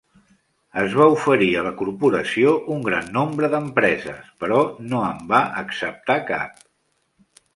Es va oferir a la corporació un gran nombre d'empreses, però no en va acceptar cap.